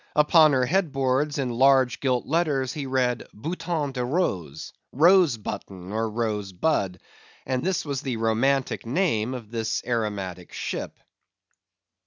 Upon her head boards, in large gilt letters, he read "Bouton de Rose,"—Rose button, or Rose bud; and this was the romantic name of this aromatic ship.